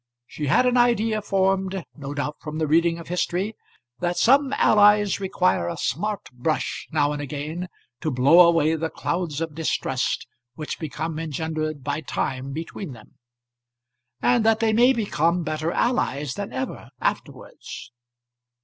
She had an idea, formed no doubt from the reading of history, that some allies require a smart brush now and again to blow away the clouds of distrust which become engendered by time between them; and that they may become better allies than ever afterwards.